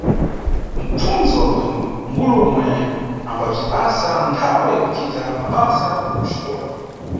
Mʼpfundzi wa bwino ngule omwe ambabzipasa nthawe ya kucita mabasa ya kuxikola